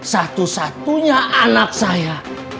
satu satunya anak saya